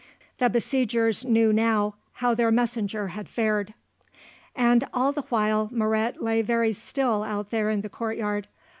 The besiegers knew now how their messenger had fared. And all the while Moret lay very still out there in the courtyard.